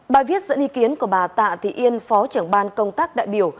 bài viết dẫn ý kiến của bà tạ thị yên phó trưởng ban công tác đại biểu